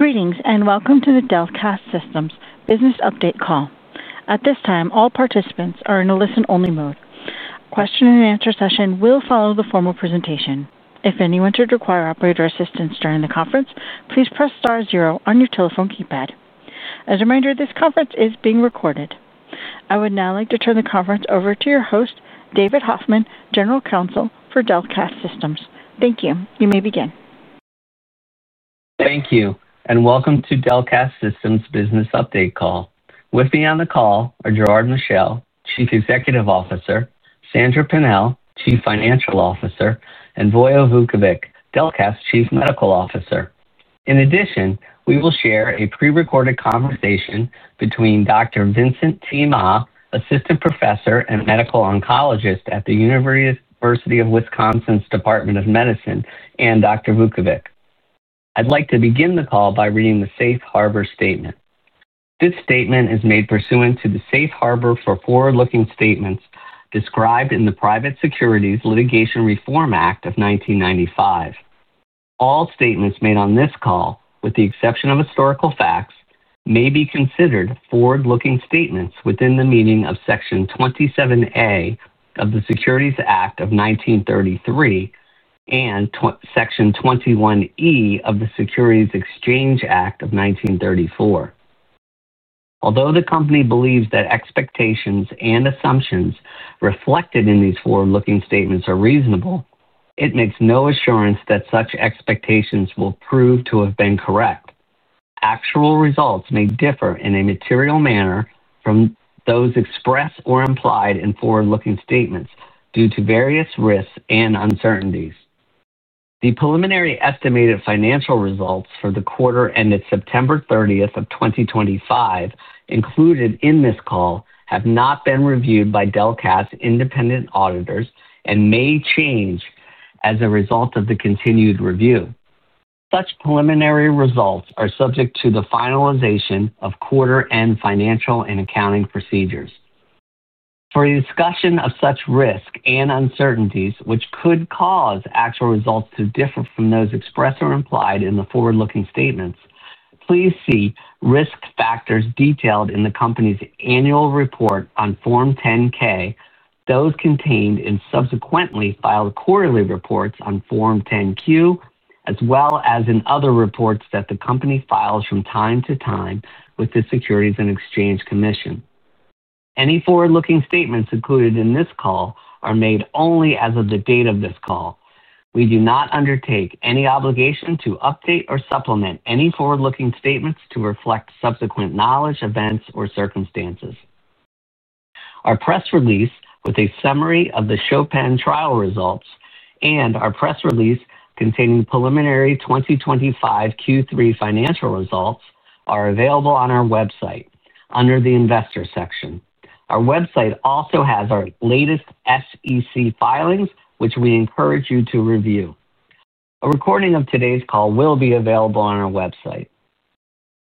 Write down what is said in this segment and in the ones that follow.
Greetings and welcome to the Delcath Systems business update call. At this time, all participants are in a listen-only mode. A question and answer session will follow the formal presentation. If anyone should require operator assistance during the conference, please press star zero on your telephone keypad. As a reminder, this conference is being recorded. I would now like to turn the conference over to your host, David Hoffman, General Counsel for Delcath Systems. Thank you. You may begin. Thank you, and welcome to Delcath Systems business update call. With me on the call are Gerard Michel, Chief Executive Officer, Sandra Pennell, Chief Financial Officer, and Vojislav Vukovic, Delcath's Chief Medical Officer. In addition, we will share a pre-recorded conversation between Dr. Vincent T. Ma, Assistant Professor and Medical Oncologist at the University of Wisconsin's Department of Medicine, and Dr. Vukovic. I'd like to begin the call by reading the Safe Harbor Statement. This statement is made pursuant to the Safe Harbor for forward-looking statements described in the Private Securities Litigation Reform Act of 1995. All statements made on this call, with the exception of historical facts, may be considered forward-looking statements within the meaning of Section 27A of the Securities Act of 1933 and Section 21E of the Securities Exchange Act of 1934. Although the company believes that expectations and assumptions reflected in these forward-looking statements are reasonable, it makes no assurance that such expectations will prove to have been correct. Actual results may differ in a material manner from those expressed or implied in forward-looking statements due to various risks and uncertainties. The preliminary estimated financial results for the quarter ended September 30, 2025, included in this call, have not been reviewed by Delcath's independent auditors and may change as a result of the continued review. Such preliminary results are subject to the finalization of quarter-end financial and accounting procedures. For the discussion of such risks and uncertainties, which could cause actual results to differ from those expressed or implied in the forward-looking statements, please see risk factors detailed in the company's annual report on Form 10-K, those contained in subsequently filed quarterly reports on Form 10-Q, as well as in other reports that the company files from time to time with the Securities and Exchange Commission. Any forward-looking statements included in this call are made only as of the date of this call. We do not undertake any obligation to update or supplement any forward-looking statements to reflect subsequent knowledge, events, or circumstances. Our press release with a summary of the CHOPIN trial results and our press release containing preliminary 2025 Q3 financial results are available on our website under the Investor section. Our website also has our latest SEC filings, which we encourage you to review. A recording of today's call will be available on our website.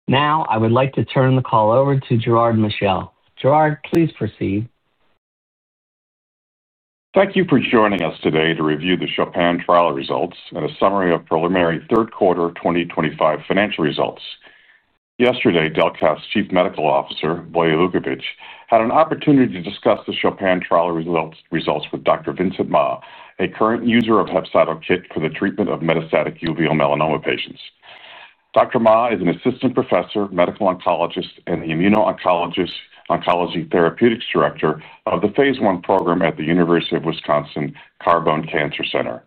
Now, I would like to turn the call over to Gerard Michel. Gerard, please proceed. Thank you for joining us today to review the CHOPIN trial results and a summary of preliminary third quarter 2025 financial results. Yesterday, Delcath Systems' Chief Medical Officer, Vojislav Vukovic, had an opportunity to discuss the CHOPIN trial results with Dr. Vincent T. Ma, a current user of HEPZATO KIT for the treatment of metastatic uveal melanoma patients. Dr. Ma is an Assistant Professor, Medical Oncologist, and the Immuno-Oncology Therapeutics Director of the Phase I program at the University of Wisconsin Carbone Cancer Center.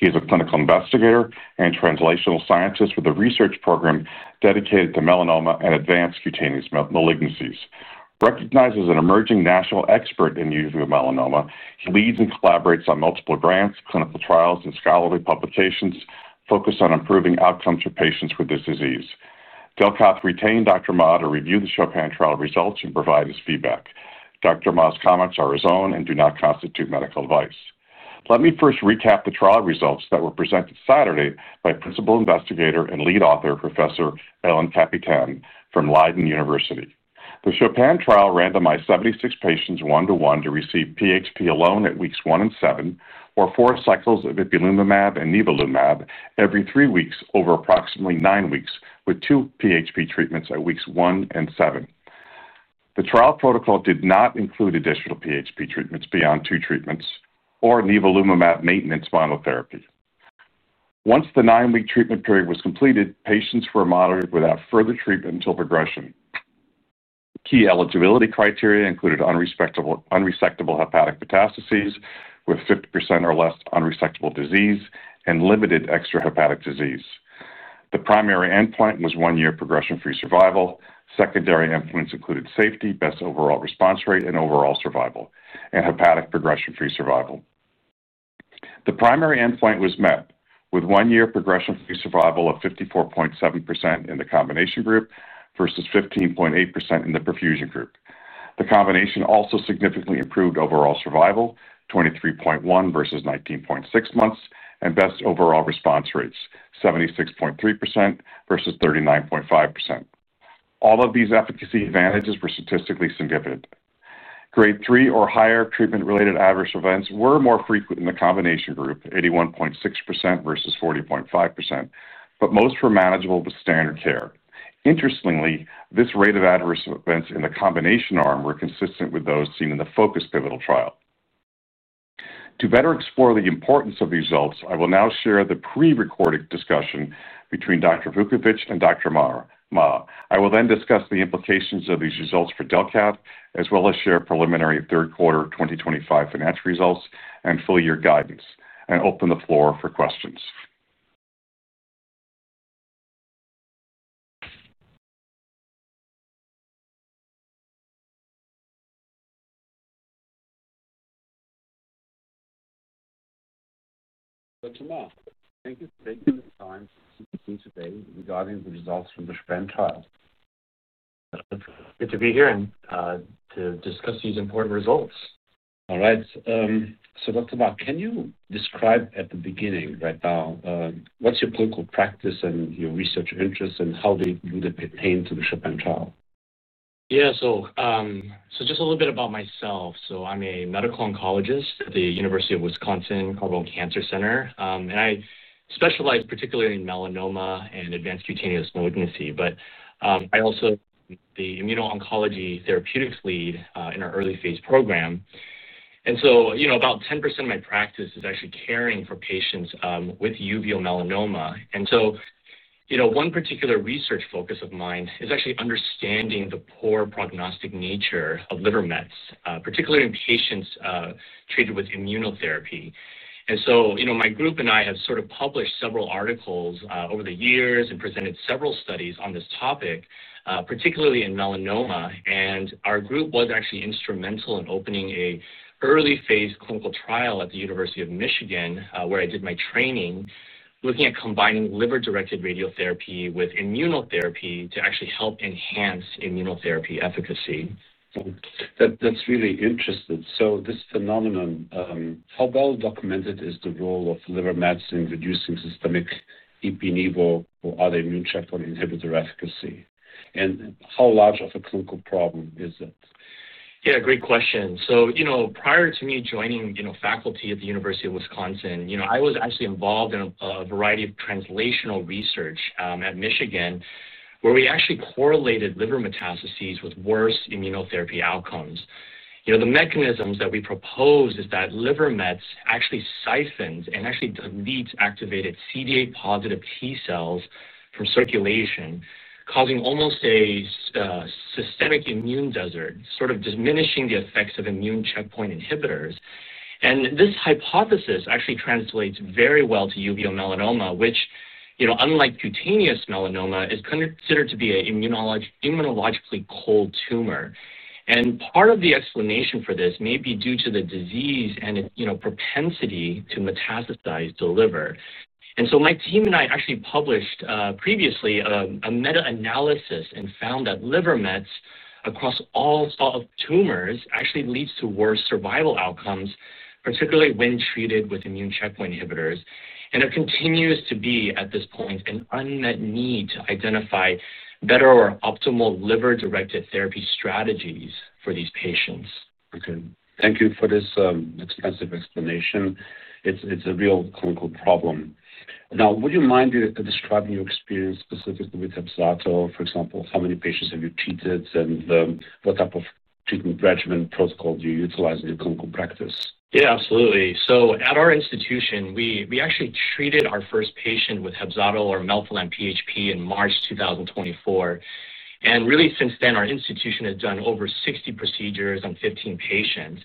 He is a clinical investigator and translational scientist with a research program dedicated to melanoma and advanced cutaneous malignancies. Recognized as an emerging national expert in uveal melanoma, he leads and collaborates on multiple grants, clinical trials, and scholarly publications focused on improving outcomes for patients with this disease. Delcath Systems retained Dr. Ma to review the CHOPIN trial results and provide his feedback. Dr. Ma's comments are his own and do not constitute medical advice. Let me first recap the trial results that were presented Saturday by Principal Investigator and Lead Author, Professor Ellen Kapitein from Leiden University. The CHOPIN trial randomized 76 patients one-to-one to receive percutaneous hepatic perfusion alone at weeks one and seven, or four cycles of ipilimumab and nivolumab every three weeks over approximately nine weeks with two percutaneous hepatic perfusion treatments at weeks one and seven. The trial protocol did not include additional percutaneous hepatic perfusion treatments beyond two treatments or nivolumab maintenance monotherapy. Once the nine-week treatment period was completed, patients were monitored without further treatment until progression. Key eligibility criteria included unresectable hepatic metastases with 50% or less unresectable disease and limited extrahepatic disease. The primary endpoint was one-year progression-free survival. Secondary endpoints included safety, best overall response rate, overall survival, and hepatic progression-free survival. The primary endpoint was met with one-year progression-free survival of 54.7% in the combination group versus 15.8% in the perfusion group. The combination also significantly improved overall survival, 23.1 versus 19.6 months, and best overall response rates, 76.3% versus 39.5%. All of these efficacy advantages were statistically significant. Grade 3 or higher treatment-related adverse events were more frequent in the combination group, 81.6% versus 40.5%, but most were manageable with standard care. Interestingly, this rate of adverse events in the combination arm was consistent with those seen in the Focus Pivotal trial. To better explore the importance of the results, I will now share the pre-recorded discussion between Dr. Vukovic and Dr. Ma. I will then discuss the implications of these results for Delcath Systems, as well as share preliminary third quarter 2025 financial results and full-year guidance, and open the floor for questions. Dr. Ma, thank you for taking the time to speak with me today regarding the results from the CHOPIN trial. Good to be here to discuss these important results. All right. Dr. Ma, can you describe at the beginning right now, what's your clinical practice and your research interests and how do they pertain to the CHOPIN trial? Yeah. Just a little bit about myself. I'm a Medical Oncologist at the University of Wisconsin Carbone Cancer Center, and I specialize particularly in melanoma and advanced cutaneous malignancy. I also am the Immuno-Oncology Therapeutics Lead in our early-phase program. About 10% of my practice is actually caring for patients with uveal melanoma. One particular research focus of mine is actually understanding the poor prognostic nature of liver mets, particularly in patients treated with immunotherapy. My group and I have published several articles over the years and presented several studies on this topic, particularly in melanoma. Our group was actually instrumental in opening an early-phase clinical trial at the University of Michigan, where I did my training, looking at combining liver-directed radiotherapy with immunotherapy to actually help enhance immunotherapy efficacy. That's really interesting. This phenomenon, how well documented is the role of liver mets in reducing systemic ipilimumab or other immune checkpoint inhibitor efficacy? How large of a clinical problem is it? Yeah, great question. Prior to me joining faculty at the University of Wisconsin, I was actually involved in a variety of translational research at Michigan, where we actually correlated liver metastases with worse immunotherapy outcomes. The mechanisms that we proposed is that liver mets actually siphons and actually deletes activated CD8-positive T cells from circulation, causing almost a systemic immune desert, sort of diminishing the effects of immune checkpoint inhibitors. This hypothesis actually translates very well to uveal melanoma, which, unlike cutaneous melanoma, is considered to be an immunologically cold tumor. Part of the explanation for this may be due to the disease and its propensity to metastasize to the liver. My team and I actually published previously a meta-analysis and found that liver mets across all tumors actually lead to worse survival outcomes, particularly when treated with immune checkpoint inhibitors. There continues to be, at this point, an unmet need to identify better or optimal liver-directed therapy strategies for these patients. Okay. Thank you for this, extensive explanation. It's a real clinical problem. Now, would you mind describing your experience specifically with HEPZATO KIT? For example, how many patients have you treated and what type of treatment regimen protocol do you utilize in your clinical practice? Yeah, absolutely. At our institution, we actually treated our first patient with HEPZATO KIT, or Melphalan, PHP, in March 2024. Since then, our institution has done over 60 procedures on 15 patients.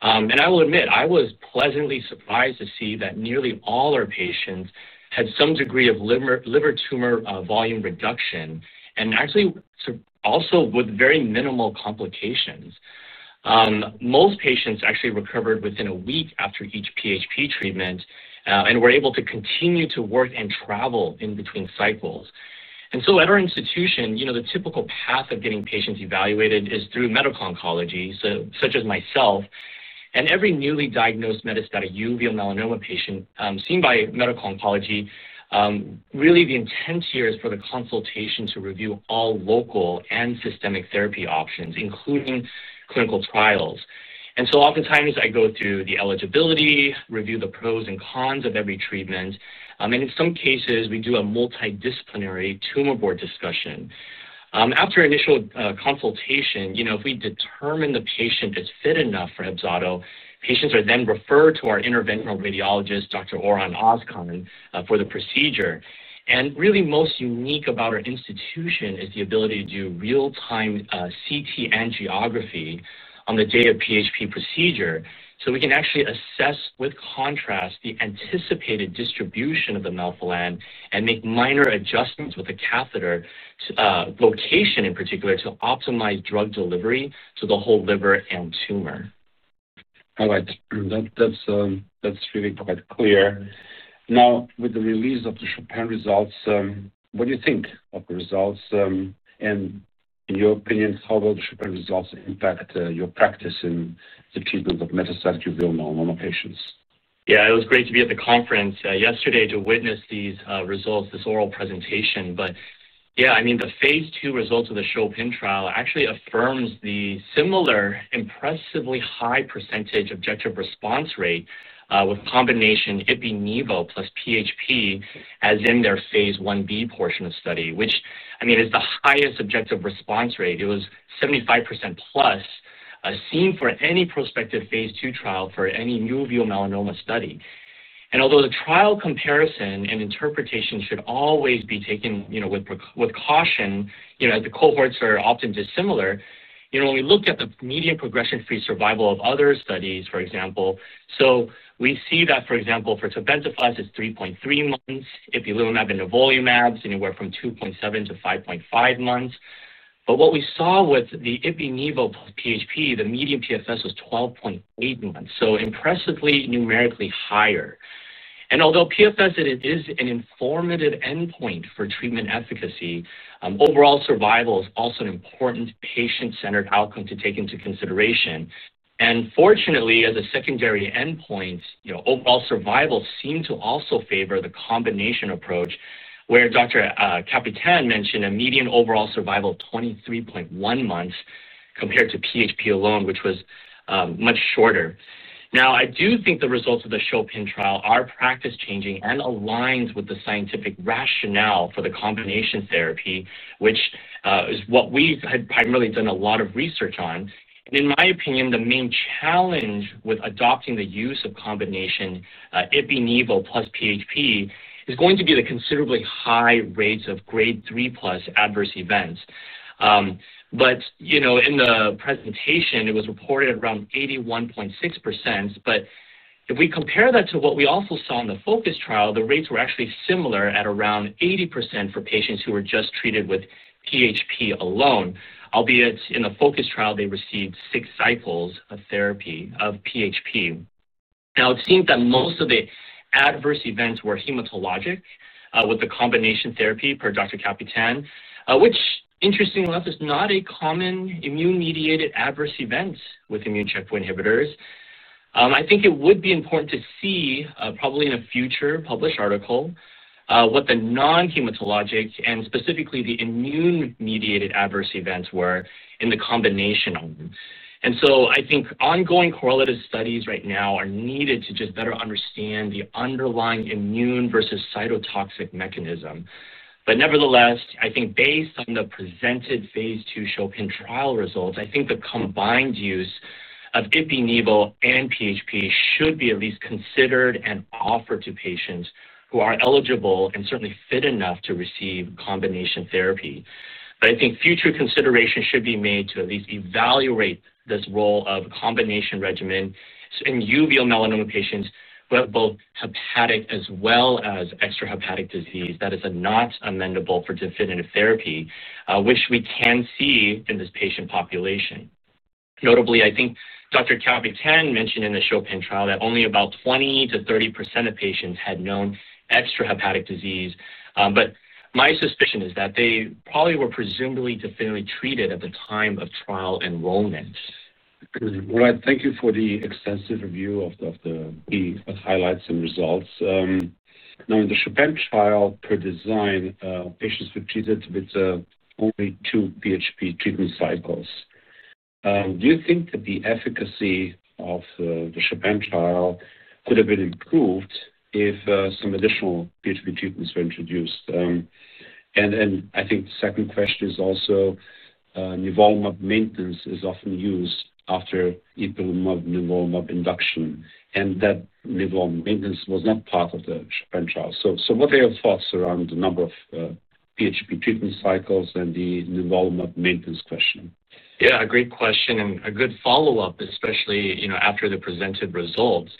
I will admit, I was pleasantly surprised to see that nearly all our patients had some degree of liver tumor volume reduction, actually also with very minimal complications. Most patients actually recovered within a week after each PHP treatment and were able to continue to work and travel in between cycles. At our institution, the typical path of getting patients evaluated is through Medical Oncology, such as myself. Every newly diagnosed metastatic uveal melanoma patient seen by Medical Oncology, the intent here is for the consultation to review all local and systemic therapy options, including clinical trials. Oftentimes, I go through the eligibility, review the pros and cons of every treatment. In some cases, we do a multidisciplinary tumor board discussion. After initial consultation, if we determine the patient is fit enough for HEPZATO KIT, patients are then referred to our Interventional Radiologist, Dr. Orhan Ozkan, for the procedure. Most unique about our institution is the ability to do real-time CT angiography on the day of PHP procedure so we can actually assess with contrast the anticipated distribution of the Melphalan and make minor adjustments with the catheter to location in particular to optimize drug delivery to the whole liver and tumor. All right. That's really quite clear. Now, with the release of the CHOPIN results, what do you think of the results, and in your opinion, how will the CHOPIN results impact your practice in the treatment of metastatic uveal melanoma patients? Yeah, it was great to be at the conference yesterday to witness these results, this oral presentation. The phase II results of the CHOPIN trial actually affirm the similar impressively high percentage objective response rate with combination ipilimumab plus PHP as in their phase Ib portion of the study, which is the highest objective response rate. It was 75%+, seen for any prospective phase II trial for any new uveal melanoma study. Although the trial comparison and interpretation should always be taken with caution, as the cohorts are often dissimilar, when we looked at the median progression-free survival of other studies, for example, we see that, for example, for Melphalan, it's 3.3 months. Ipilimumab and nivolumab is anywhere from 2.7-5.5 months. What we saw with the ipilimumab plus PHP, the median PFS was 12.8 months, so impressively numerically higher. Although PFS is an informative endpoint for treatment efficacy, overall survival is also an important patient-centered outcome to take into consideration. Fortunately, as a secondary endpoint, overall survival seemed to also favor the combination approach where Dr. Kapitein mentioned a median overall survival of 23.1 months compared to PHP alone, which was much shorter. I do think the results of the CHOPIN trial are practice-changing and aligned with the scientific rationale for the combination therapy, which is what we had primarily done a lot of research on. In my opinion, the main challenge with adopting the use of combination ipilimumab plus PHP is going to be the considerably high rates of grade 3+ adverse events. In the presentation, it was reported around 81.6%. If we compare that to what we also saw in the Focus trial, the rates were actually similar at around 80% for patients who were just treated with PHP alone, albeit in the Focus trial, they received six cycles of therapy of PHP. It seemed that most of the adverse events were hematologic with the combination therapy per Dr. Kapitein, which, interestingly enough, is not a common immune-mediated adverse event with immune checkpoint inhibitors. I think it would be important to see, probably in a future published article, what the non-hematologic and specifically the immune-mediated adverse events were in the combination arm. I think ongoing correlative studies right now are needed to just better understand the underlying immune versus cytotoxic mechanism. Nevertheless, I think based on the presented phase II CHOPIN trial results, the combined use of ipilimumab and PHP should be at least considered and offered to patients who are eligible and certainly fit enough to receive combination therapy. I think future considerations should be made to at least evaluate this role of a combination regimen in uveal melanoma patients who have both hepatic as well as extrahepatic disease that is not amenable for definitive therapy, which we can see in this patient population. Notably, I think Dr. Kapitein mentioned in the CHOPIN trial that only about 20%-30% of patients had known extrahepatic disease. My suspicion is that they probably were presumably definitively treated at the time of trial enrollment. All right. Thank you for the extensive review of the highlights and results. Now, in the CHOPIN trial, per design, patients were treated with only two PHP treatment cycles. Do you think that the efficacy of the CHOPIN trial could have been improved if some additional PHP treatments were introduced? I think the second question is also, nivolumab maintenance is often used after ipilimumab and nivolumab induction, and that nivolumab maintenance was not part of the CHOPIN trial. What are your thoughts around the number of PHP treatment cycles and the nivolumab maintenance question? Yeah, great question and a good follow-up, especially, you know, after the presented results.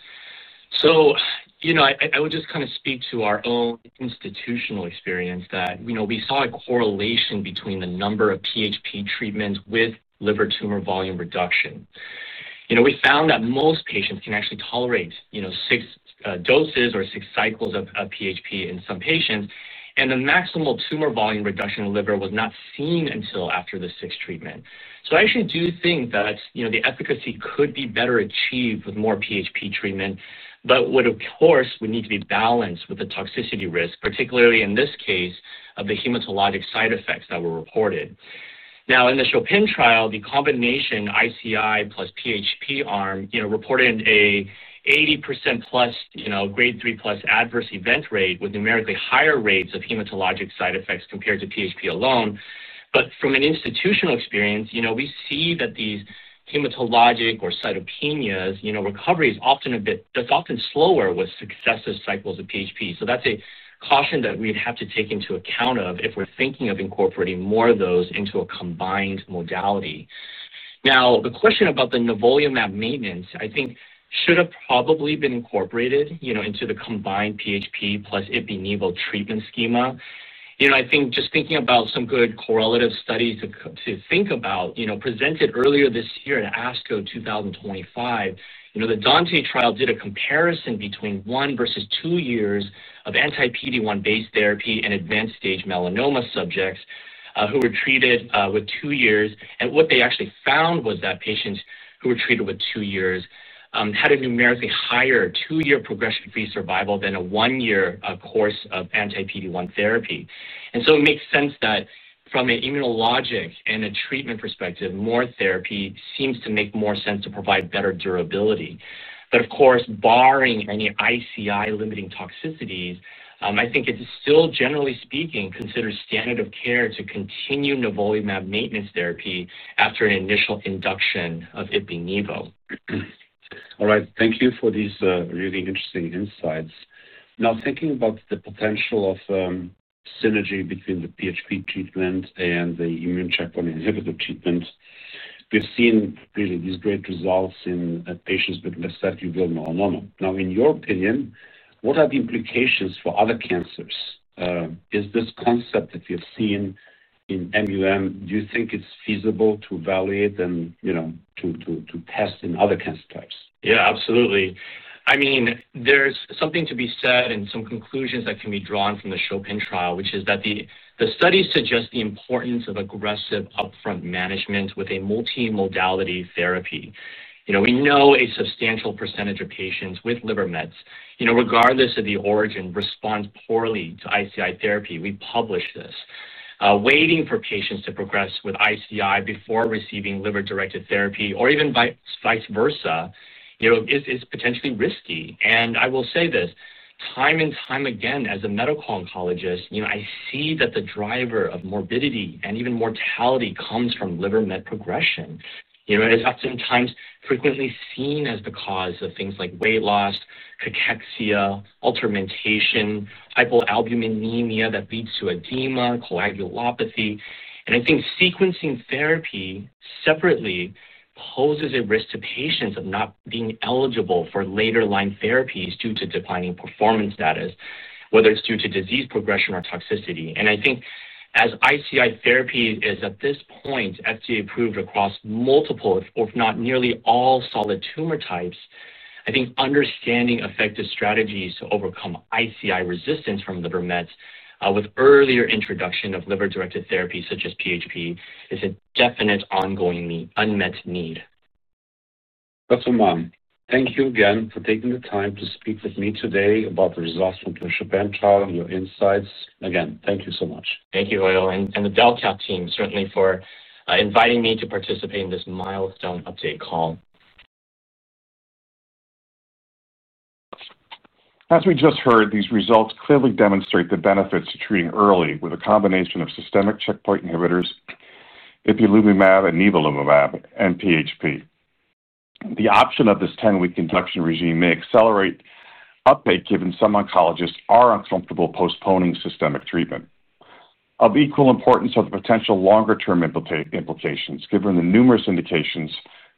I would just kind of speak to our own institutional experience that, you know, we saw a correlation between the number of PHP treatments with liver tumor volume reduction. We found that most patients can actually tolerate, you know, six doses or six cycles of PHP in some patients, and the maximal tumor volume reduction in the liver was not seen until after the sixth treatment. I actually do think that, you know, the efficacy could be better achieved with more PHP treatment, but would, of course, need to be balanced with the toxicity risk, particularly in this case of the hematologic side effects that were reported. In the phase II CHOPIN trial, the combination ICI plus PHP arm reported an 80%+ grade 3+ adverse event rate with numerically higher rates of hematologic side effects compared to PHP alone. From an institutional experience, we see that these hematologic or cytopenias, you know, recovery is often a bit that's often slower with successive cycles of PHP. That's a caution that we'd have to take into account if we're thinking of incorporating more of those into a combined modality. The question about the nivolumab maintenance, I think should have probably been incorporated, you know, into the combined PHP plus ipilimumab treatment schema. I think just thinking about some good correlative studies to think about, you know, presented earlier this year in ASCO 2025, the DANTE trial did a comparison between one versus two years of anti-PD-1 based therapy in advanced stage melanoma subjects who were treated with two years. What they actually found was that patients who were treated with two years had a numerically higher two-year progression-free survival than a one-year course of anti-PD-1 therapy. It makes sense that from an immunologic and a treatment perspective, more therapy seems to make more sense to provide better durability. Of course, barring any ICI limiting toxicities, I think it's still, generally speaking, considered standard of care to continue nivolumab maintenance therapy after an initial induction of ipilimumab. All right. Thank you for these really interesting insights. Now, thinking about the potential of synergy between the PHP treatment and the immune checkpoint inhibitor treatment, we've seen really these great results in patients with metastatic uveal melanoma. Now, in your opinion, what are the implications for other cancers? Is this concept that we have seen in MUM, do you think it's feasible to evaluate and, you know, to test in other cancer types? Yeah, absolutely. I mean, there's something to be said and some conclusions that can be drawn from the CHOPIN trial, which is that the studies suggest the importance of aggressive upfront management with a multimodality therapy. We know a substantial percentage of patients with liver mets, regardless of the origin, respond poorly to ICI therapy. We published this. Waiting for patients to progress with ICI before receiving liver-directed therapy, or even vice versa, is potentially risky. I will say this, time and time again, as a Medical Oncologist, I see that the driver of morbidity and even mortality comes from liver met progression. It's oftentimes frequently seen as the cause of things like weight loss, cachexia, altermentation, hypoalbuminemia that leads to edema, coagulopathy. I think sequencing therapy separately poses a risk to patients of not being eligible for later line therapies due to declining performance status, whether it's due to disease progression or toxicity. I think as ICI therapy is at this point FDA approved across multiple, if not nearly all solid tumor types, understanding effective strategies to overcome ICI resistance from liver mets with earlier introduction of liver-directed therapy such as PHP is a definite ongoing unmet need. Dr. Ma, thank you again for taking the time to speak with me today about the results from the CHOPIN trial and your insights. Again, thank you so much. Thank you, Vojislav, and the Delcath team certainly for inviting me to participate in this milestone update call. As we just heard, these results clearly demonstrate the benefits to treating early with a combination of systemic checkpoint inhibitors, ipilimumab and nivolumab, and PHP. The option of this 10-week induction regime may accelerate uptake given some oncologists are uncomfortable postponing systemic treatment. Of equal importance are the potential longer-term implications given the numerous indications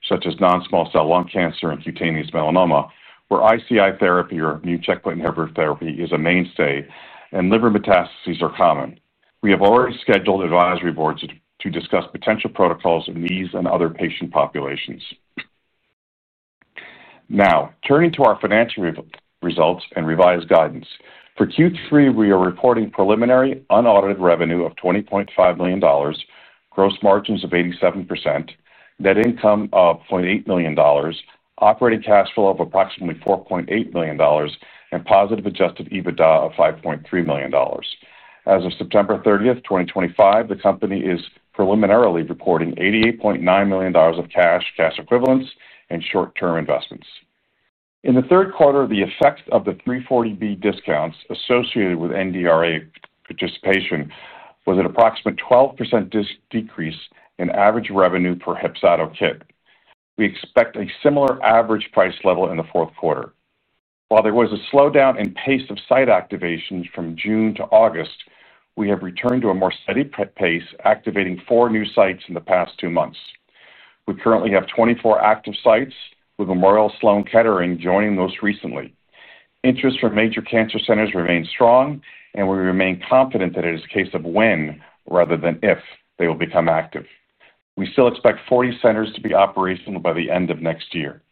such as non-small cell lung cancer and cutaneous melanoma, where ICI therapy or immune checkpoint inhibitor therapy is a mainstay, and liver metastases are common. We have already scheduled advisory boards to discuss potential protocols in these and other patient populations. Now, turning to our financial results and revised guidance. For Q3, we are reporting preliminary unaudited revenue of $20.5 million, gross margins of 87%, net income of $0.8 million, operating cash flow of approximately $4.8 million, and positive adjusted EBITDA of $5.3 million. As of September 30, 2025, the company is preliminarily reporting $88.9 million of cash, cash equivalents, and short-term investments. In the third quarter, the effect of the 340B discounts associated with NDRA participation was an approximate 12% decrease in average revenue per HEPZATO KIT. We expect a similar average price level in the fourth quarter. While there was a slowdown in pace of site activations from June to August, we have returned to a more steady pace, activating four new sites in the past two months. We currently have 24 active sites, with Memorial Sloan Kettering joining most recently. Interest from major cancer centers remains strong, and we remain confident that it is a case of when rather than if they will become active. We still expect 40 centers to be operational by the end of next year.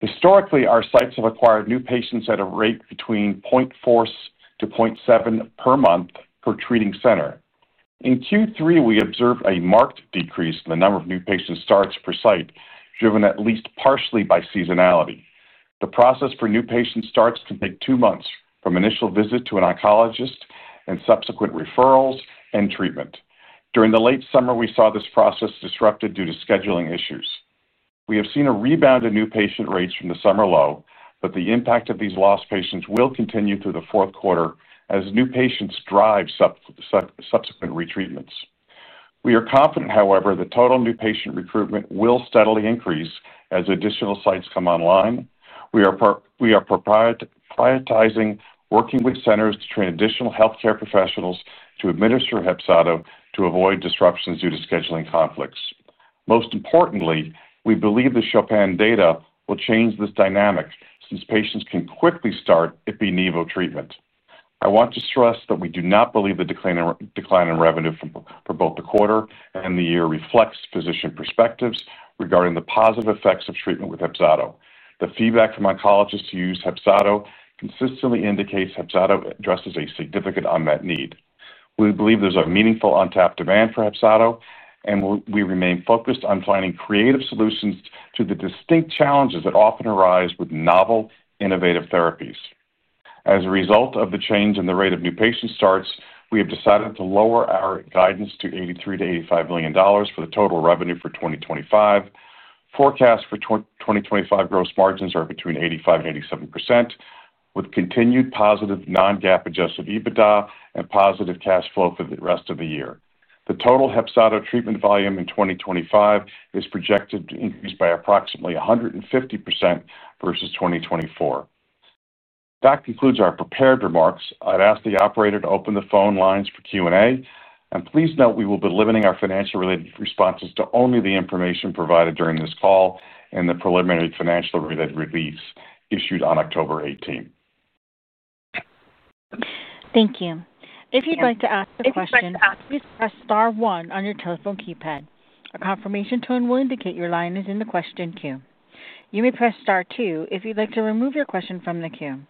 Historically, our sites have acquired new patients at a rate between 0.4-0.7 per month per treating center. In Q3, we observed a marked decrease in the number of new patient starts per site, driven at least partially by seasonality. The process for new patient starts can take two months, from initial visit to an oncologist and subsequent referrals and treatment. During the late summer, we saw this process disrupted due to scheduling issues. We have seen a rebound in new patient rates from the summer low, but the impact of these lost patients will continue through the fourth quarter as new patients drive subsequent retreatments. We are confident, however, the total new patient recruitment will steadily increase as additional sites come online. We are prioritizing working with centers to train additional healthcare professionals to administer HEPZATO KIT to avoid disruptions due to scheduling conflicts. Most importantly, we believe the CHOPIN data will change this dynamic since patients can quickly start ipilimumab treatment. I want to stress that we do not believe the decline in revenue for both the quarter and the year reflects physician perspectives regarding the positive effects of treatment with HEPZATO KIT. The feedback from oncologists who use HEPZATO KIT consistently indicates HEPZATO KIT addresses a significant unmet need. We believe there's a meaningful untapped demand for HEPZATO KIT, and we remain focused on finding creative solutions to the distinct challenges that often arise with novel, innovative therapies. As a result of the change in the rate of new patient starts, we have decided to lower our guidance to $83 million-$85 million for the total revenue for 2025. Forecast for 2025 gross margins are between 85%-87%, with continued positive non-GAAP adjusted EBITDA and positive cash flow for the rest of the year. The total HEPZATO KIT treatment volume in 2025 is projected to increase by approximately 150% versus 2024. That concludes our prepared remarks. I'd ask the operator to open the phone lines for Q&A. Please note we will be limiting our financial-related responses to only the information provided during this call and the preliminary financial-related release issued on October 18th. Thank you. If you'd like to ask a question, please press star one on your telephone keypad. A confirmation tone will indicate your line is in the question queue. You may press star two if you'd like to remove your question from the queue.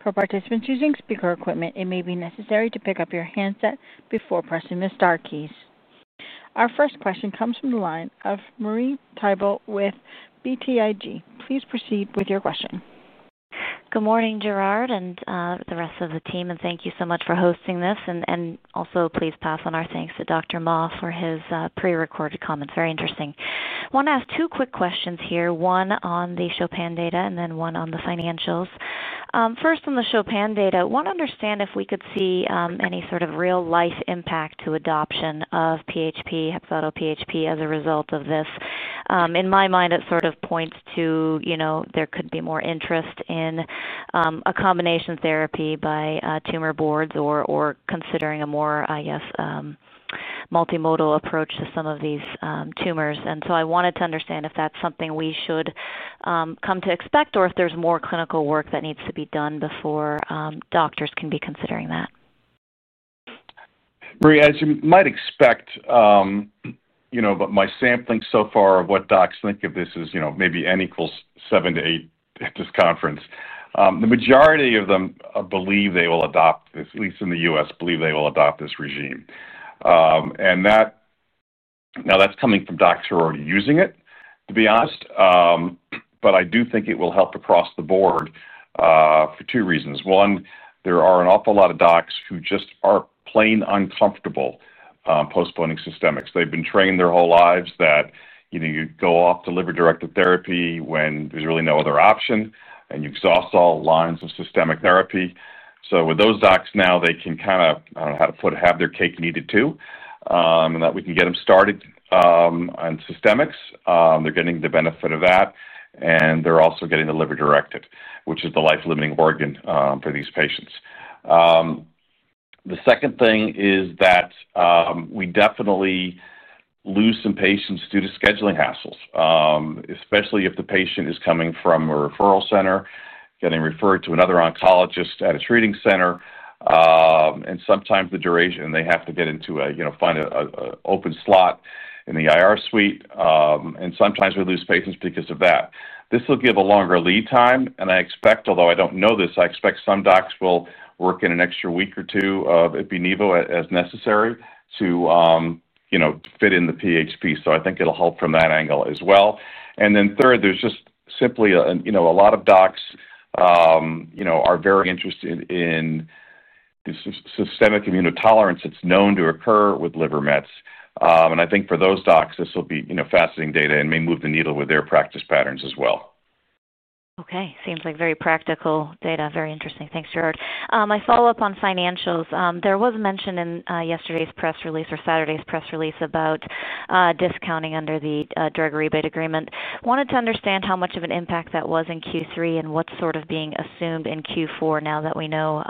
For participants using speaker equipment, it may be necessary to pick up your handset before pressing the star keys. Our first question comes from the line of Marie Thibault with BTIG. Please proceed with your question. Good morning, Gerard, and the rest of the team, and thank you so much for hosting this. Also, please pass on our thanks to Dr. Ma for his pre-recorded comments. Very interesting. I want to ask two quick questions here, one on the CHOPIN data and then one on the financials. First on the CHOPIN data, I want to understand if we could see any sort of real-life impact to adoption of PHP, HEPZATO PHP, as a result of this. In my mind, it sort of points to, you know, there could be more interest in a combination therapy by tumor boards or considering a more, I guess, multimodal approach to some of these tumors. I wanted to understand if that's something we should come to expect or if there's more clinical work that needs to be done before doctors can be considering that. Marie, as you might expect, you know, my sampling so far of what docs think of this is, you know, maybe N equals 7-8 at this conference. The majority of them believe they will adopt this, at least in the U.S., believe they will adopt this regimen. That's coming from docs who are already using it, to be honest. I do think it will help across the board, for two reasons. One, there are an awful lot of docs who just are plain uncomfortable postponing systemics. They've been trained their whole lives that, you know, you go off to liver-directed therapy when there's really no other option, and you exhaust all lines of systemic therapy. With those docs now, they can kind of, I don't know how to put it, have their cake and eat it too, and we can get them started on systemics. They're getting the benefit of that, and they're also getting the liver-directed, which is the life-limiting organ for these patients. The second thing is that we definitely lose some patients due to scheduling hassles, especially if the patient is coming from a referral center, getting referred to another oncologist at a treating center. Sometimes the duration, and they have to get into a, you know, find an open slot in the IR suite. Sometimes we lose patients because of that. This will give a longer lead time, and I expect, although I don't know this, I expect some docs will work in an extra week or two of ipilimumab as necessary to, you know, fit in the PHP. I think it'll help from that angle as well. Third, there's just simply a, you know, a lot of docs, you know, are very interested in the systemic immunotolerance that's known to occur with liver mets. I think for those docs, this will be, you know, fascinating data and may move the needle with their practice patterns as well. Okay. Seems like very practical data. Very interesting. Thanks, Gerard. My follow-up on financials. There was mention in yesterday's press release or Saturday's press release about discounting under the drug rebate agreement. Wanted to understand how much of an impact that was in Q3 and what's sort of being assumed in Q4 now that we know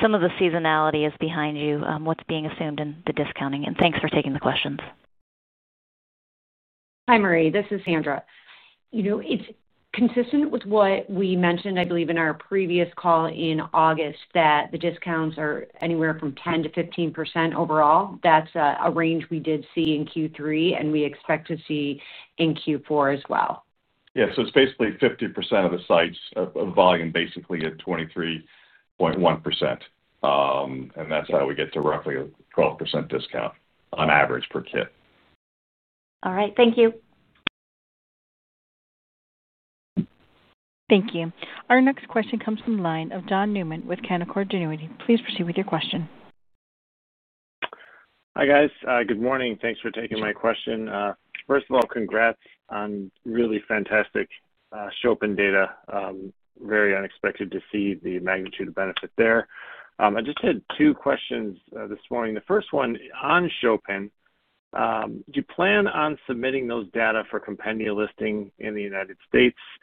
some of the seasonality is behind you, what's being assumed in the discounting. Thanks for taking the questions. Hi, Marie. This is Sandra. It's consistent with what we mentioned, I believe, in our previous call in August that the discounts are anywhere from 10%-15% overall. That's a range we did see in Q3, and we expect to see in Q4 as well. Yeah, it's basically 50% of the sites of volume, basically, at 23.1%, and that's how we get to roughly a 12% discount on average per kit. All right, thank you. Thank you. Our next question comes from the line of John Newman with Canaccord Genuity. Please proceed with your question. Hi, guys. Good morning. Thanks for taking my question. First of all, congrats on really fantastic CHOPIN data. Very unexpected to see the magnitude of benefit there. I just had two questions this morning. The first one on CHOPIN, do you plan on submitting those data for compendia listing in the U.S.?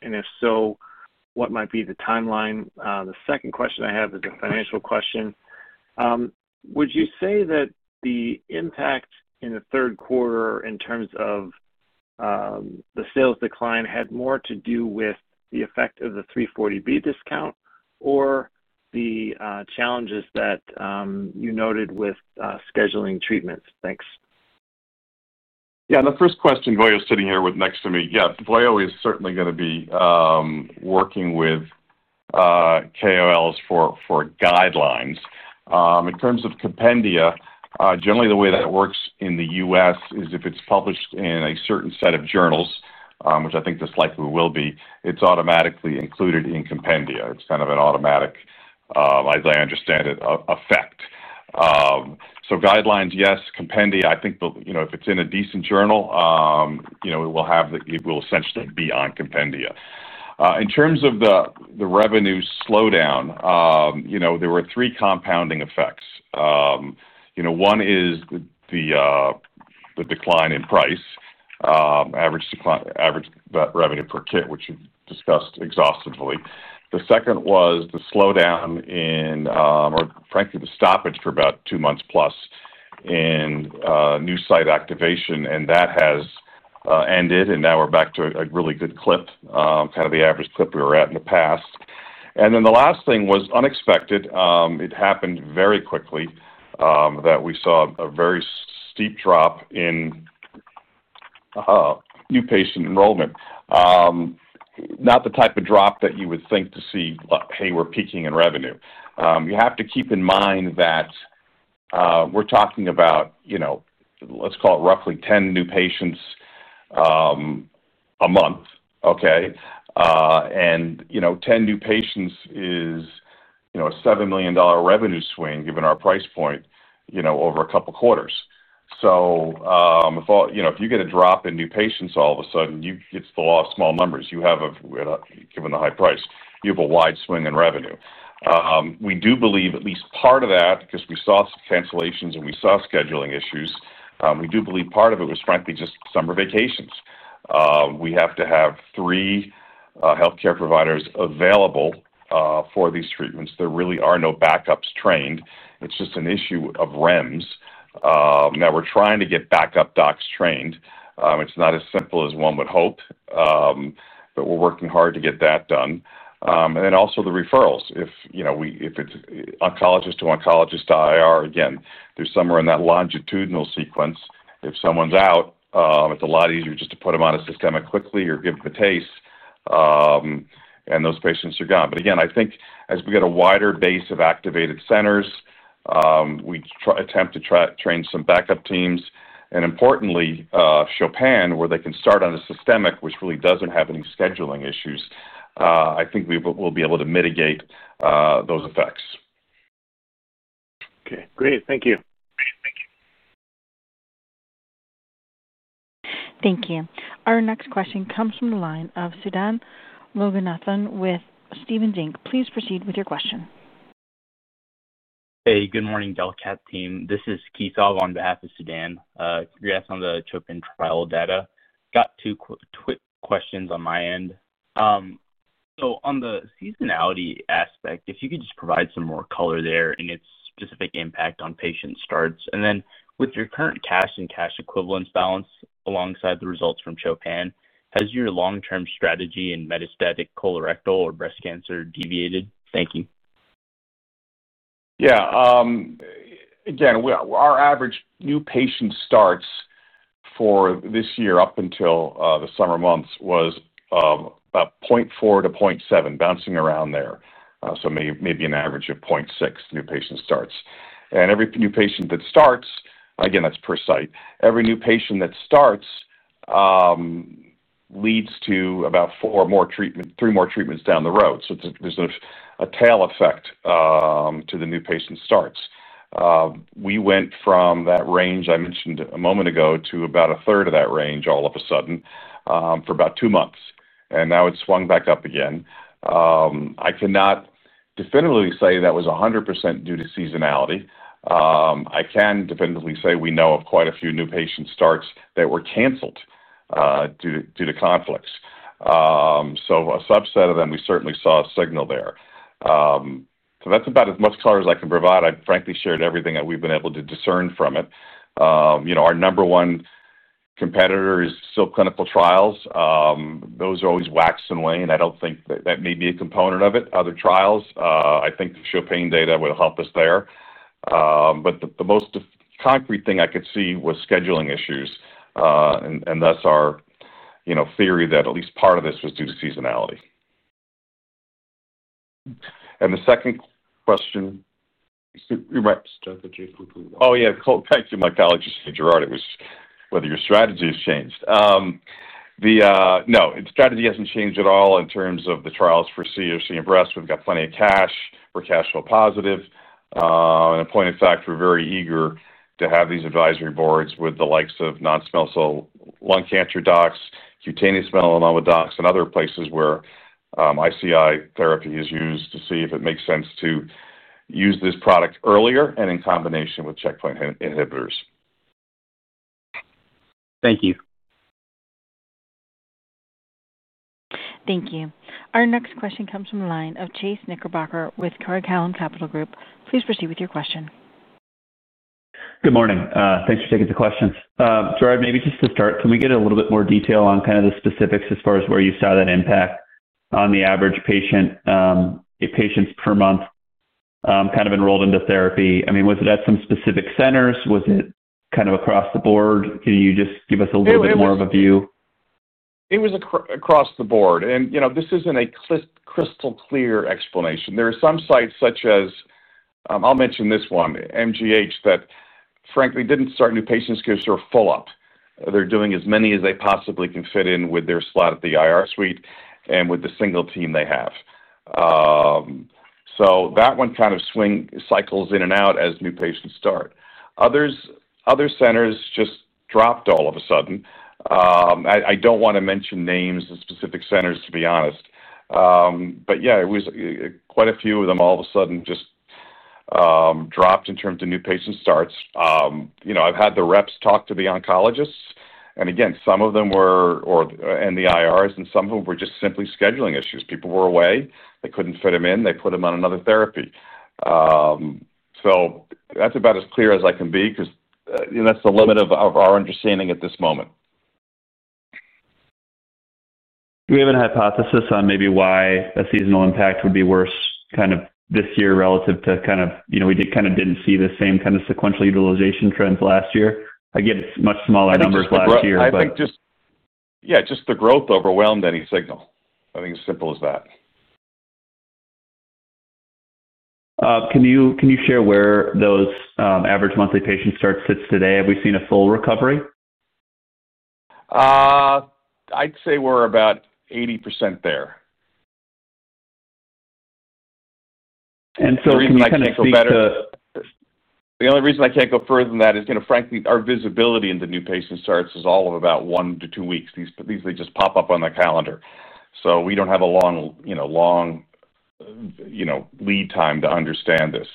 If so, what might be the timeline? The second question I have is a financial question. Would you say that the impact in the third quarter in terms of the sales decline had more to do with the effect of the 340B discount or the challenges that you noted with scheduling treatments? Thanks. Yeah. The first question, Vojislav sitting here next to me. Yeah. Vojislav is certainly going to be working with KOLs for guidelines. In terms of compendia, generally, the way that works in the U.S. is if it's published in a certain set of journals, which I think this likely will be, it's automatically included in compendia. It's kind of an automatic, as I understand it, effect. Guidelines, yes, compendia, I think, you know, if it's in a decent journal, you know, it will have the, it will essentially be on compendia. In terms of the revenue slowdown, you know, there were three compounding effects. One is the decline in price, average revenue per kit, which we've discussed exhaustively. The second was the slowdown in, or frankly, the stoppage for about 2+ months in new site activation. That has ended, and now we're back to a really good clip, kind of the average clip we were at in the past. The last thing was unexpected. It happened very quickly, that we saw a very steep drop in new patient enrollment. Not the type of drop that you would think to see, "Hey, we're peaking in revenue." You have to keep in mind that we're talking about, you know, let's call it roughly 10 new patients a month, okay? And, you know, 10 new patients is, you know, a $7 million revenue swing given our price point, you know, over a couple of quarters. If all, you know, if you get a drop in new patients all of a sudden, you get to the law of small numbers. You have a, given the high price, you have a wide swing in revenue. We do believe at least part of that, because we saw cancellations and we saw scheduling issues, we do believe part of it was frankly just summer vacations. We have to have three healthcare providers available for these treatments. There really are no backups trained. It's just an issue of REMS, that we're trying to get backup docs trained. It's not as simple as one would hope. We are working hard to get that done. Also the referrals. If, you know, we, if it's oncologist to oncologist to IR, again, they're somewhere in that longitudinal sequence. If someone's out, it's a lot easier just to put them on a systemic quickly or give them a taste, and those patients are gone. I think as we get a wider base of activated centers, we try to attempt to train some backup teams. Importantly, CHOPIN, where they can start on a systemic which really doesn't have any scheduling issues, I think we'll be able to mitigate those effects. Okay. Great. Thank you. Thank you. Our next question comes from the line of Sudan Loganathan with Stephens Inc. Please proceed with your question. Hey, good morning, Delcath team. This is Keith on behalf of Sudan. Congrats on the CHOPIN trial data. Got two quick questions on my end. On the seasonality aspect, if you could just provide some more color there in its specific impact on patient starts. With your current cash and cash equivalents balance alongside the results from CHOPIN, has your long-term strategy in metastatic colorectal or breast cancer deviated? Thank you. Yeah. Again, our average new patient starts for this year up until the summer months was about 0.4-0.7, bouncing around there, so maybe an average of 0.6 new patient starts. Every new patient that starts, again, that's per site. Every new patient that starts leads to about four more treatments, three more treatments down the road. There is a tail effect to the new patient starts. We went from that range I mentioned a moment ago to about a third of that range all of a sudden for about two months, and now it swung back up again. I cannot definitively say that was 100% due to seasonality. I can definitively say we know of quite a few new patient starts that were canceled due to conflicts. A subset of them, we certainly saw a signal there. That's about as much color as I can provide. I frankly shared everything that we've been able to discern from it. Our number one competitor is still clinical trials. Those always wax and wane. I don't think that that may be a component of it, other trials. I think the CHOPIN data would help us there, but the most concrete thing I could see was scheduling issues, and thus our theory that at least part of this was due to seasonality. The second question, you're right. Stuff that you're thinking about. Oh, yeah. Thank you, my colleague, Mr. Gerard. It was just whether your strategy has changed. No, the strategy hasn't changed at all in terms of the trials for C or CMBRS. We've got plenty of cash. We're cash flow positive. In point of fact, we're very eager to have these advisory boards with the likes of non-small cell lung cancer docs, cutaneous melanoma docs, and other places where ICI therapy is used to see if it makes sense to use this product earlier and in combination with checkpoint inhibitors. Thank you. Thank you. Our next question comes from the line of Chase Knickerbocker with Craig-Hallum Capital Group. Please proceed with your question. Good morning. Thanks for taking the question. Gerard, maybe just to start, can we get a little bit more detail on the specifics as far as where you saw that impact on the average patient, eight patients per month, enrolled into therapy? Was it at some specific centers? Was it across the board? Can you just give us a little bit more of a view? It was across the board. This isn't a crystal clear explanation. There are some sites such as, I'll mention this one, MGH, that frankly didn't start new patients because they're full up. They're doing as many as they possibly can fit in with their slot at the IR suite and with the single team they have. That one kind of cycles in and out as new patients start. Other centers just dropped all of a sudden. I don't want to mention names of specific centers, to be honest. It was quite a few of them all of a sudden just dropped in terms of new patient starts. I've had the reps talk to the oncologists. Some of them were in the IRs, and some of them were just simply scheduling issues. People were away. They couldn't fit them in. They put them on another therapy. That's about as clear as I can be because that's the limit of our understanding at this moment. Do we have any hypothesis on maybe why a seasonal impact would be worse this year relative to, you know, we didn't see the same sequential utilization trends last year? It's much smaller numbers last year, but. I think just, yeah, the growth overwhelmed any signal. I think it's as simple as that. Can you share where those average monthly patient starts sit today? Have we seen a full recovery? I'd say we're about 80% there. Can we kind of go back to. The only reason I can't go further than that is, you know, frankly, our visibility into new patient starts is all of about one to two weeks. These usually just pop up on the calendar. We don't have a long lead time to understand this.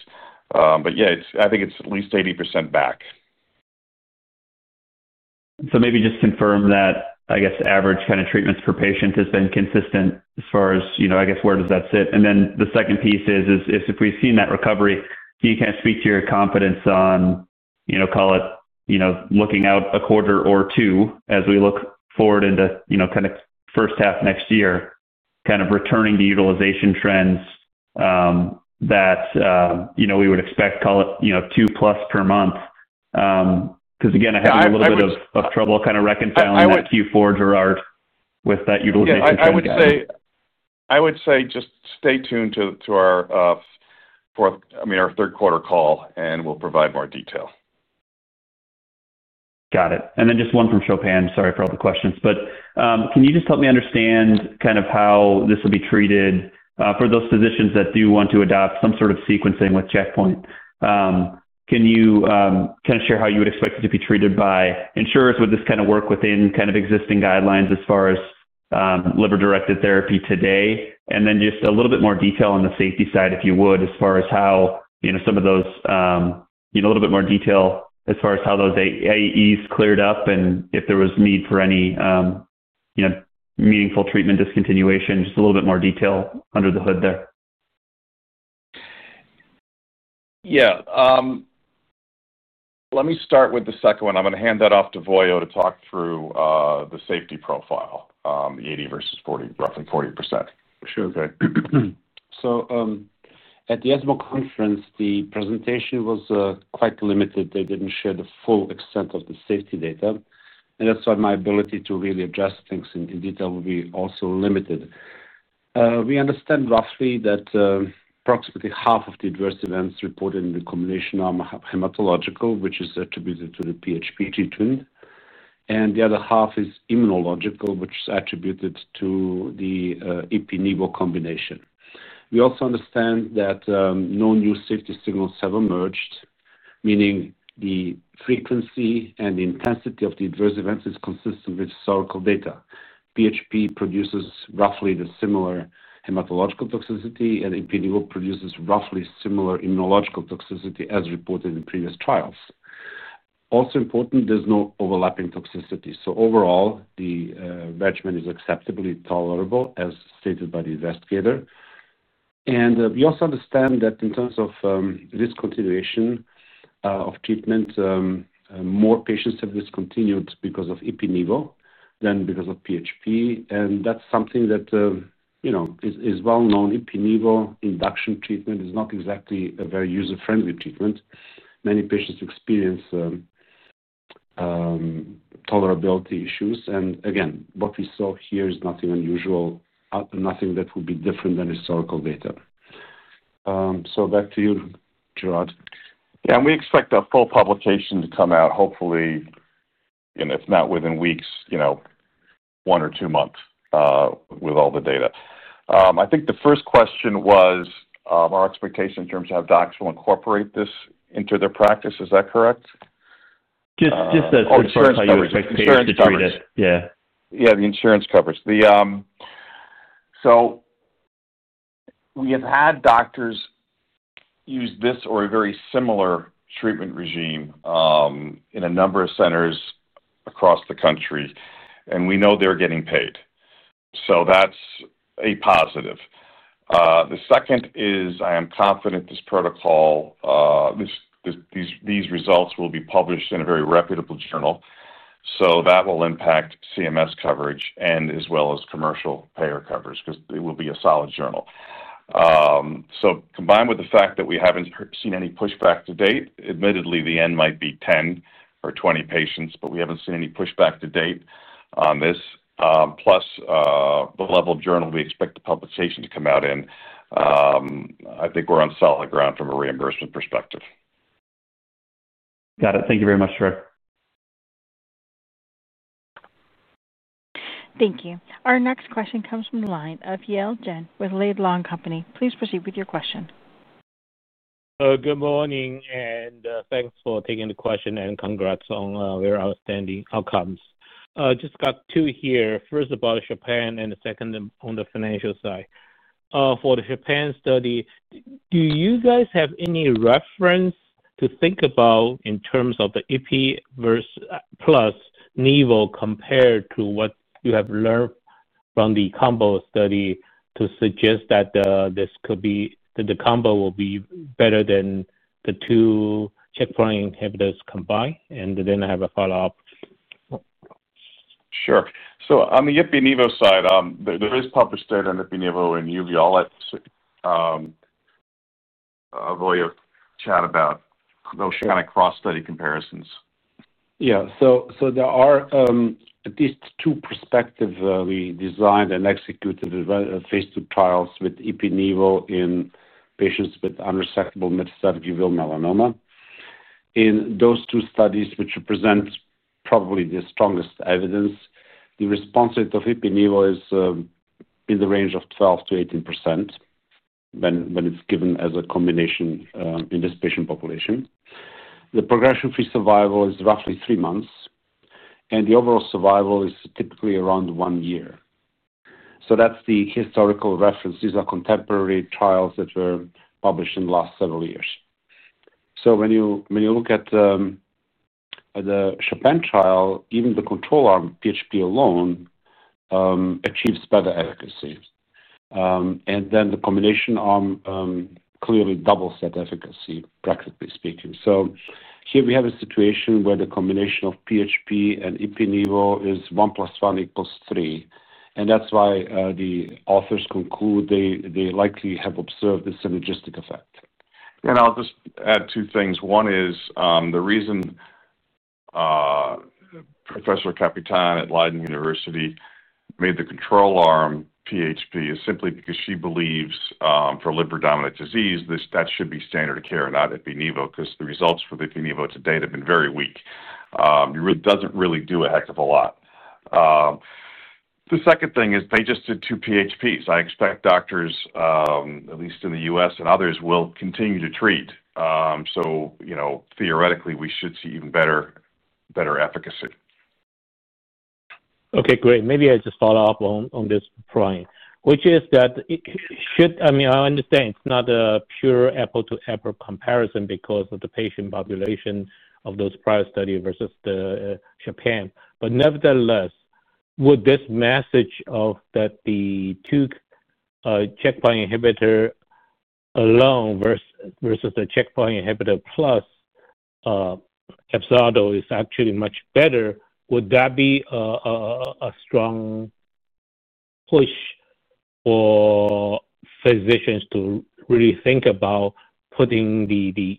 I think it's at least 80% back. Maybe just confirm that, I guess, average kind of treatments per patient has been consistent as far as, you know, I guess, where does that sit? The second piece is, if we've seen that recovery, can you kind of speak to your confidence on, you know, call it, you know, looking out a quarter or two as we look forward into, you know, kind of first half next year, kind of returning to utilization trends that, you know, we would expect, call it, you know, 2+ per month? Because again, I have a little bit of trouble kind of reconciling that Q4, Gerard, with that utilization trend. I would say just stay tuned to our third quarter call, and we'll provide more detail. Got it. Just one from CHOPIN. Sorry for all the questions. Can you just help me understand kind of how this will be treated, for those physicians that do want to adopt some sort of sequencing with checkpoint? Can you kind of share how you would expect it to be treated by insurers? Would this kind of work within existing guidelines as far as liver-directed therapy today? A little bit more detail on the safety side, if you would, as far as how some of those, you know, a little bit more detail as far as how those AEs cleared up and if there was a need for any meaningful treatment discontinuation, just a little bit more detail under the hood there. Yeah. Let me start with the second one. I'm going to hand that off to Vojislav to talk through the safety profile, the 80% versus 40%, roughly 40%. Sure. Okay. At the ESMO conference, the presentation was quite limited. They didn't share the full extent of the safety data, and that's why my ability to really address things in detail will be also limited. We understand roughly that approximately half of the adverse events reported in the combination arm are hematological, which is attributed to the PHP treatment, and the other half is immunological, which is attributed to the ipilimumab combination. We also understand that no new safety signals have emerged, meaning the frequency and the intensity of the adverse events is consistent with historical data. PHP produces roughly the similar hematological toxicity, and ipilimumab produces roughly similar immunological toxicity as reported in previous trials. Also important, there's no overlapping toxicity. Overall, the regimen is acceptably tolerable, as stated by the investigator. We also understand that in terms of discontinuation of treatment, more patients have discontinued because of ipilimumab than because of PHP. That's something that is well known. Ipilimumab induction treatment is not exactly a very user-friendly treatment. Many patients experience tolerability issues. Again, what we saw here is nothing unusual, nothing that would be different than historical data. Back to you, Gerard. Yeah. We expect a full publication to come out, hopefully, you know, if not within weeks, one or two months, with all the data. I think the first question was our expectation in terms of how docs will incorporate this into their practice. Is that correct? Insurance covers the expectation to treat it. Yeah. Yeah, the insurance covers. We have had doctors use this or a very similar treatment regime in a number of centers across the country, and we know they're getting paid. That's a positive. I am confident this protocol, these results will be published in a very reputable journal. That will impact CMS coverage as well as commercial payer coverage because it will be a solid journal. Combined with the fact that we haven't seen any pushback to date, admittedly, the end might be 10-20 patients, but we haven't seen any pushback to date on this. Plus, the level of journal we expect the publication to come out in, I think we're on solid ground from a reimbursement perspective. Got it. Thank you very much, Gerard. Thank you. Our next question comes from the line of I-Eh Jen with Laidlaw & Company. Please proceed with your question. Good morning. Thanks for taking the question and congrats on very outstanding outcomes. I just got two here. First about CHOPIN and the second on the financial side. For the CHOPIN study, do you guys have any reference to think about in terms of the EP plus nivo compared to what you have learned from the combo study to suggest that this could be that the combo will be better than the two checkpoint inhibitors combined? I have a follow-up. Sure. On the ipilimumab side, there is published data on ipilimumab and uveal. Vojislav, chat about those kind of cross-study comparisons. Yeah. There are at least two prospective, we designed and executed phase II trials with ipilimumab in patients with unresectable metastatic uveal melanoma. In those two studies, which represent probably the strongest evidence, the response rate of ipilimumab is in the range of 12%-18% when it's given as a combination in this patient population. The progression-free survival is roughly three months. The overall survival is typically around one year. That's the historical reference. These are contemporary trials that were published in the last several years. When you look at the CHOPIN trial, even the control arm, PHP alone, achieves better efficacy. The combination arm clearly doubles that efficacy, practically speaking. Here we have a situation where the combination of PHP and ipilimumab is 1 + 1 = 3. That's why the authors conclude they likely have observed this synergistic effect. I'll just add two things. One is the reason Professor Kapitein at Leiden University made the control arm, PHP, is simply because she believes for liver-dominant disease, that should be standard of care, not ipilimumab, because the results for the ipilimumab to date have been very weak. It doesn't really do a heck of a lot. The second thing is they just did two PHPs. I expect doctors, at least in the U.S. and others, will continue to treat. You know, theoretically, we should see even better efficacy. Okay. Great. Maybe I just follow up on this point, which is that it should, I mean, I understand it's not a pure apple-to-apple comparison because of the patient population of those prior studies versus the CHOPIN. Nevertheless, would this message of that the two checkpoint inhibitor alone versus the checkpoint inhibitor plus HEPZATO is actually much better, would that be a strong push for physicians to really think about putting the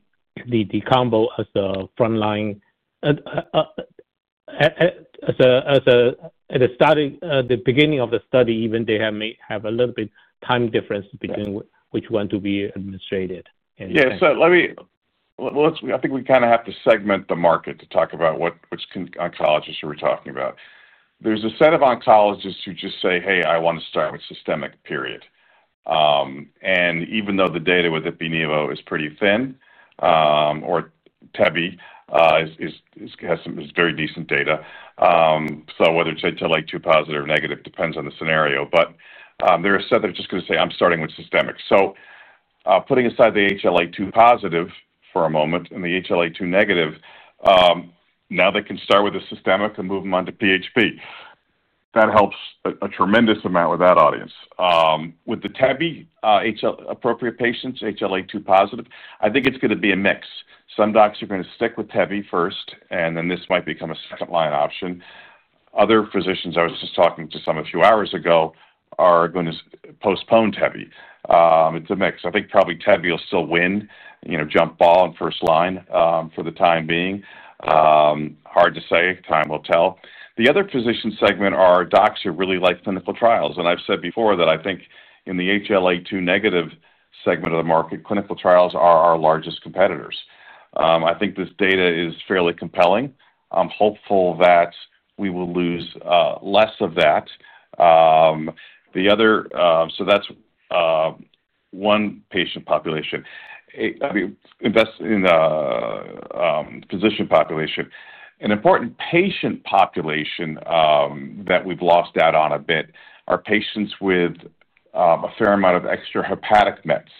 combo as a frontline, at the beginning of the study, even if they have a little bit of time difference between which one to be administrated. Yeah. Let me, let's, I think we kind of have to segment the market to talk about which oncologists we are talking about. There's a set of oncologists who just say, "Hey, I want to start with systemic, period." Even though the data with ipilimumab is pretty thin, or TEBI, has some very decent data. Whether it's HLA2 positive or negative depends on the scenario. There are a set that are just going to say, "I'm starting with systemic." Putting aside the HLA2 positive for a moment and the HLA2 negative, now they can start with a systemic and move them on to PHP. That helps a tremendous amount with that audience. With the TEBI-appropriate patients, HLA2 positive, I think it's going to be a mix. Some docs are going to stick with TEBI first, and then this might become a second-line option. Other physicians, I was just talking to some a few hours ago, are going to postpone TEBI. It's a mix. I think probably TEBI will still win, you know, jump ball in first line, for the time being. Hard to say. Time will tell. The other physician segment are docs who really like clinical trials. I've said before that I think in the HLA2 negative segment of the market, clinical trials are our largest competitors. I think this data is fairly compelling. I'm hopeful that we will lose less of that. The other, so that's one patient population. I mean, invest in the physician population. An important patient population that we've lost out on a bit are patients with a fair amount of extrahepatic mets.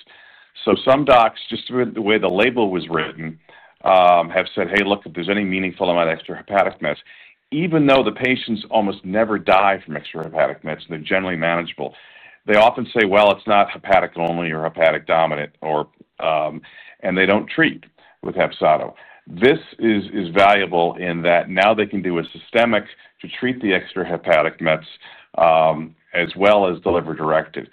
Some docs, just the way the label was written, have said, "Hey, look, if there's any meaningful amount of extrahepatic mets," even though the patients almost never die from extrahepatic mets, and they're generally manageable, they often say, "Well, it's not hepatic only or hepatic dominant," and they don't treat with HEPZATO KIT. This is valuable in that now they can do a systemic to treat the extrahepatic mets, as well as the liver directed.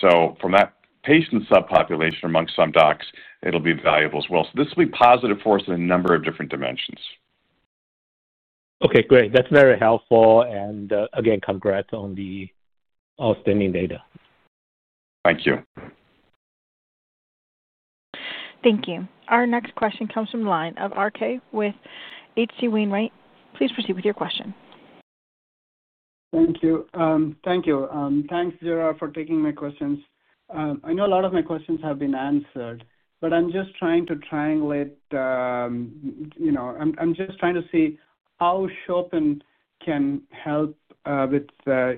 From that patient subpopulation amongst some docs, it'll be valuable as well. This will be positive for us in a number of different dimensions. Okay. Great. That's very helpful. Again, congrats on the outstanding data. Thank you. Thank you. Our next question comes from the line of Swayampakula Ramakanth with H.C. Wainwright. Please proceed with your question. Thank you. Thank you. Thanks, Gerard, for taking my questions. I know a lot of my questions have been answered, but I'm just trying to triangulate, you know, I'm just trying to see how CHOPIN can help with,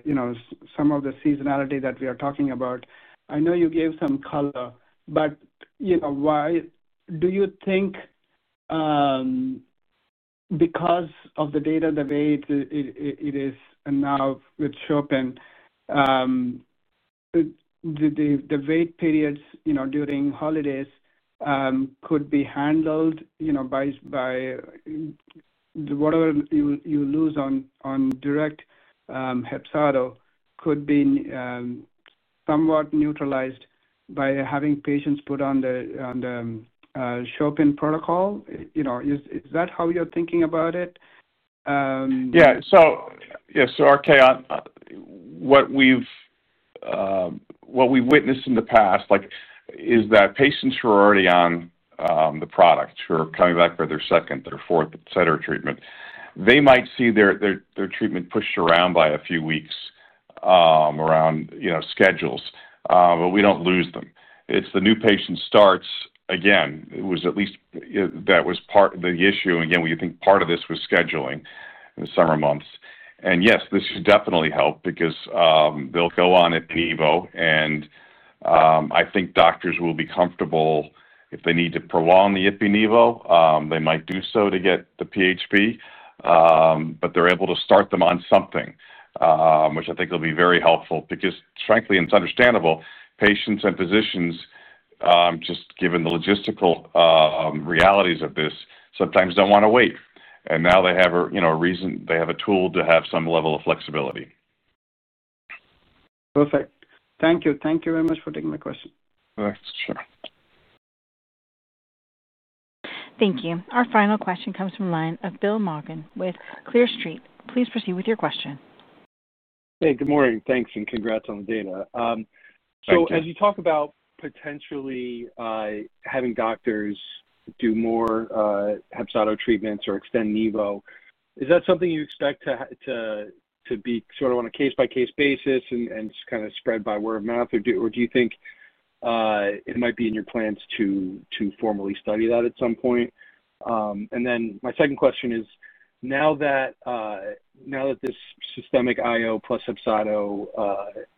you know, some of the seasonality that we are talking about. I know you gave some color, but you know, why do you think because of the data, the way it is now with CHOPIN, the wait periods, you know, during holidays, could be handled, you know, by whatever you lose on direct, HEPZATO could be somewhat neutralized by having patients put on the CHOPIN protocol. You know, is that how you're thinking about it? Yeah. So, RK, on what we've witnessed in the past is that patients who are already on the product, who are coming back for their second, their fourth, etc., treatment, they might see their treatment pushed around by a few weeks, around schedules, but we don't lose them. It's the new patient starts. Again, at least that was part of the issue. We think part of this was scheduling in the summer months. Yes, this should definitely help because they'll go on ipilimumab, and I think doctors will be comfortable if they need to prolong the ipilimumab. They might do so to get the PHP, but they're able to start them on something, which I think will be very helpful because, frankly, and it's understandable, patients and physicians, just given the logistical realities of this, sometimes don't want to wait. Now they have a reason. They have a tool to have some level of flexibility. Perfect. Thank you. Thank you very much for taking my question. Thanks. Sure. Thank you. Our final question comes from the line of Bill Morgan with Kearney. Please proceed with your question. Hey, good morning. Thanks, and congrats on the data. As you talk about potentially having doctors do more HEPZATO KIT treatments or extend nivo, is that something you expect to be sort of on a case-by-case basis and kind of spread by word of mouth? Or do you think it might be in your plans to formally study that at some point? My second question is, now that this systemic IO plus HEPZATO KIT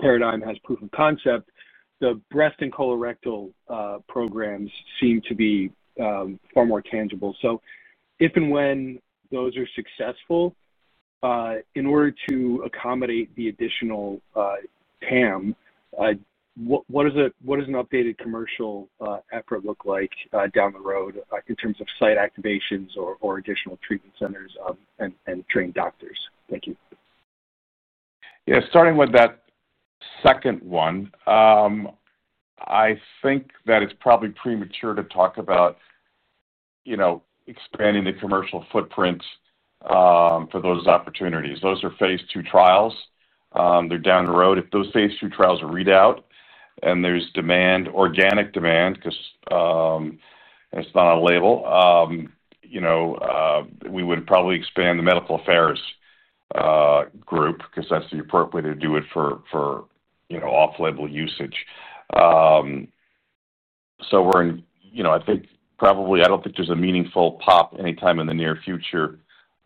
paradigm has proof of concept, the breast and colorectal programs seem to be far more tangible. If and when those are successful, in order to accommodate the additional TAM, what does an updated commercial effort look like down the road, in terms of site activations or additional treatment centers and trained doctors? Thank you. Starting with that second one, I think that it's probably premature to talk about expanding the commercial footprint for those opportunities. Those are phase II trials. They're down the road. If those phase II trials are read out and there's demand, organic demand, because, and it's not on a label, we would probably expand the medical affairs group because that's the appropriate way to do it for off-label usage. We're in, I think probably, I don't think there's a meaningful pop anytime in the near future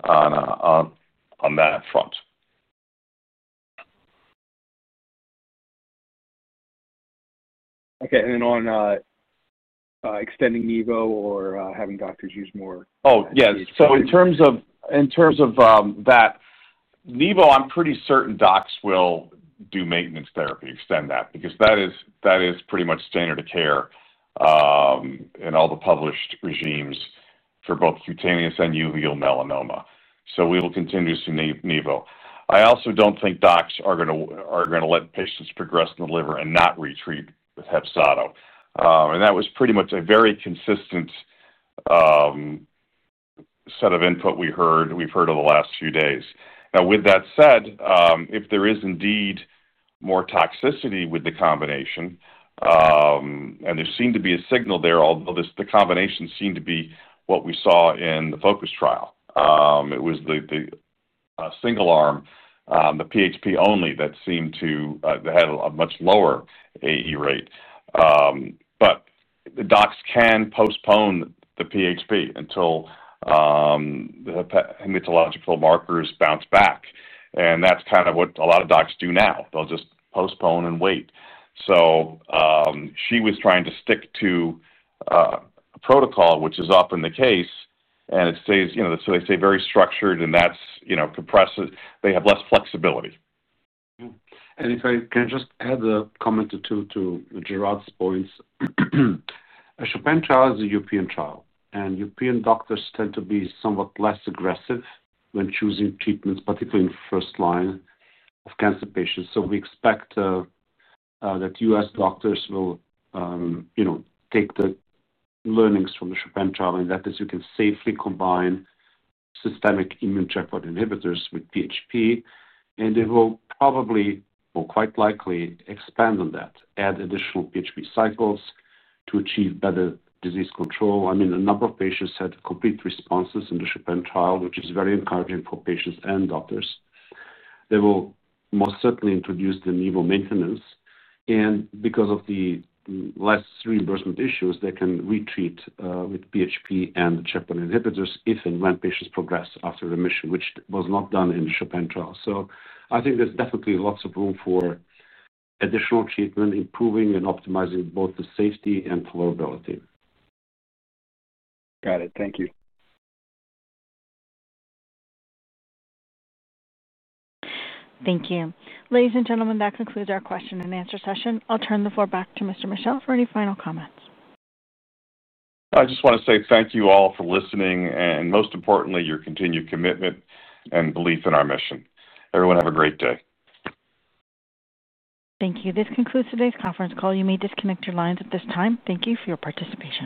on that front. Okay. On extending nivo or having doctors use more. Oh, yes. In terms of that nivo, I'm pretty certain docs will do maintenance therapy, extend that, because that is pretty much standard of care in all the published regimens for both cutaneous and uveal melanoma. We will continue to see nivo. I also don't think docs are going to let patients progress in the liver and not retreat with HEPZATO. That was pretty much a very consistent set of input we heard over the last few days. With that said, if there is indeed more toxicity with the combination, and there seemed to be a signal there, although the combination seemed to be what we saw in the Focus trial, it was the single arm, the PHP only, that had a much lower AE rate. The docs can postpone the PHP until the hematological markers bounce back. That's kind of what a lot of docs do now. They'll just postpone and wait. She was trying to stick to a protocol, which is often the case, and it stays, you know, so they stay very structured, and that's, you know, compressive. They have less flexibility. If I can just add a comment or two to Gerard's points. The CHOPIN trial is a European trial, and European doctors tend to be somewhat less aggressive when choosing treatments, particularly in first line of cancer patients. We expect that U.S. doctors will take the learnings from the CHOPIN trial, and that is you can safely combine systemic immune checkpoint inhibitors with PHP. They will probably, or quite likely, expand on that and add additional PHP cycles to achieve better disease control. A number of patients had complete responses in the CHOPIN trial, which is very encouraging for patients and doctors. They will most certainly introduce the nivo maintenance. Because of the less reimbursement issues, they can retreat with PHP and the checkpoint inhibitors if and when patients progress after remission, which was not done in the CHOPIN trial. I think there's definitely lots of room for additional treatment, improving and optimizing both the safety and tolerability. Got it. Thank you. Thank you. Ladies and gentlemen, that concludes our question-and-answer session. I'll turn the floor back to Mr. Michel for any final comments. I just want to say thank you all for listening and, most importantly, your continued commitment and belief in our mission. Everyone, have a great day. Thank you. This concludes today's conference call. You may disconnect your lines at this time. Thank you for your participation.